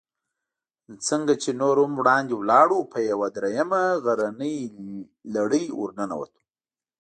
څنګه چې نور هم وړاندې ولاړو، په یوه درېیمه غرنۍ لړۍ ورننوتو.